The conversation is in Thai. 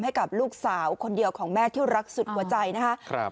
ให้กับลูกสาวคนเดียวของแม่ที่รักสุดหัวใจนะครับ